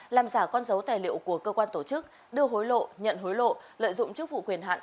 làm giả con dấu tài liệu của cơ quan tổ chức đưa hối lộ nhận hối lộ lợi dụng chức vụ quyền hạn